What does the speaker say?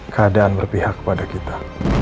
keadaan berpihak kepada kita